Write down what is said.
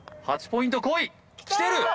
８ポイントこいきてる！